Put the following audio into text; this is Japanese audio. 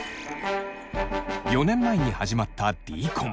４年前に始まったＤコン。